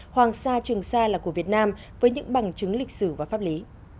hoàng sa trường sa là của việt nam với những bằng chứng lịch sử và pháp lý